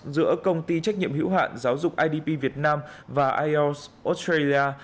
giữa công ty trách nhiệm hữu hạn giáo dục idp việt nam và ielts australia